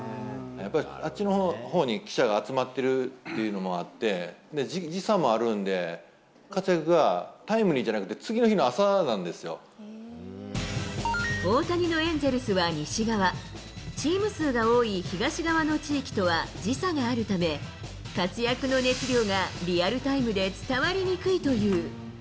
やっぱりあっちのほうに記者が集まっているというのもあって、時差もあるんで、活躍がタイムリーじゃなくて、次の日の朝なんで大谷のエンゼルスは西側、チーム数が多い東側の地域とは時差があるため、活躍の熱量がリアルタイムで伝わりにくいという。